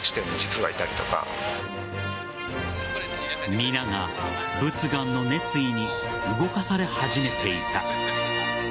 皆が、佛願の熱意に動かされ始めていた。